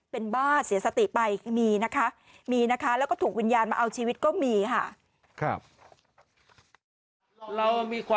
เป็นบ้าเสียสติไปมีนะคะมีนะคะแล้วก็ถูกวิญญาณมาเอาชีวิตก็มีค่ะ